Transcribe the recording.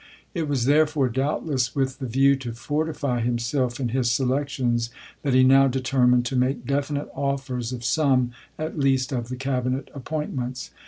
It was therefore doubtless with the view to fortify himself in his selections that he now determined to make definite offers of some, at least, of the Cabinet appointments.